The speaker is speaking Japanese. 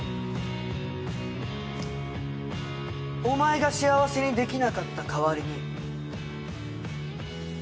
お前が幸せにできなかった代わりに。